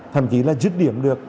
thậm chí là dứt điểm được